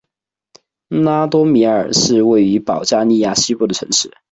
拉多米尔是位于保加利亚西部的城市。